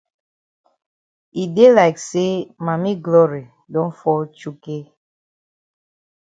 E dey like say Mami Glory don fall chukay.